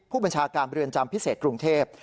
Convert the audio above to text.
ผู้บัญชาการเรือนจำพิเศษกรุงเทพ